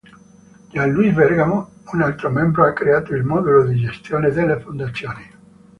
Jean-Louis Bergamo, un altro membro, ha creato il modulo di gestione delle fondazioni.